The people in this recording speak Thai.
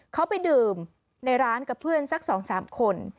เขาไปดื่มในร้านกับเพื่อนสัก๒๓คน